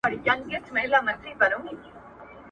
په ټولنه کي د مفاهمې لاره پرانیزئ.